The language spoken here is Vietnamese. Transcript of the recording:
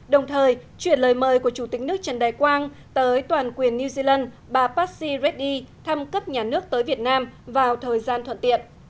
đồng thời chuyển lời mời của chủ tịch nước trần đại quang tới toàn quyền new zealand bà passi reddy thăm cấp nhà nước tới việt nam vào thời gian thuận tiện